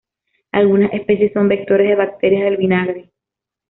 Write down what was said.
Algunas especies son vectores de bacterias del vinagre.